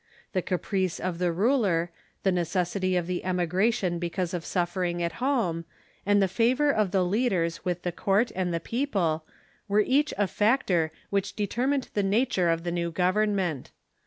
The caprice of the ruler, the necessity of the emigration because of suffering at home, and the favor of the leaders with the court and the people, were each a factor Avhich determined the nature of the new government.